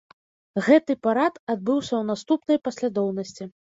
Гэты парад адбыўся ў наступнай паслядоўнасці.